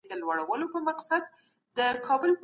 تاسو باید معلومه کړئ چي د څېړني هدف مو څه دئ.